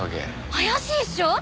怪しいっしょ！？